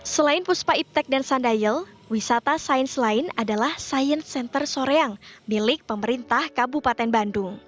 selain puspa iptek dan sundayel wisata sains lain adalah science center soreang milik pemerintah kabupaten bandung